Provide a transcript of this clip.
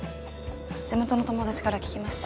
地元の友達から聞きました